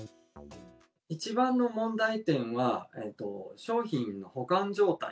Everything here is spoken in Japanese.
一番の問題点は、商品の保管状態。